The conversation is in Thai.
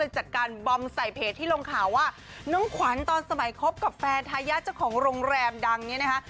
จัดการบอมใส่เพจที่ลงข่าวว่าน้องขวัญตอนสมัยคบกับแฟนทายาทเจ้าของโรงแรมดังเนี่ยนะคะ